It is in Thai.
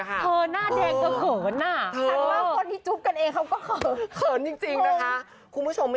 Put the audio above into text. เธอหน้าแดงก็เขินอ่ะ